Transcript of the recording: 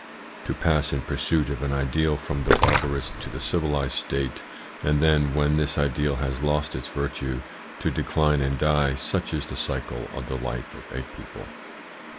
To pass in pursuit of an ideal from the barbarous to the civilised state, and then, when this ideal has lost its virtue, to decline and die, such is the cycle of the life of a people.